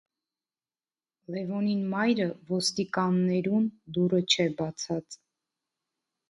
Լեւոնին մայրը՝ ոստիկաններուն, դուռը չէ բացած։